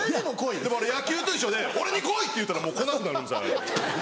でも野球と一緒で「俺に来い！」って言ったらもう来なくなるんですあれ。